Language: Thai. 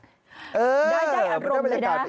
น่าจะได้อารมณ์เลยนะ